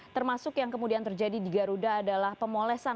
termasuk yang kemudian terjadi di garuda adalah pemolesan